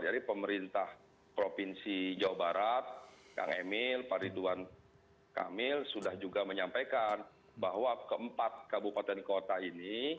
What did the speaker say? jadi pemerintah provinsi jawa barat kang emil pak ridwan kamil sudah juga menyampaikan bahwa keempat kabupaten kota ini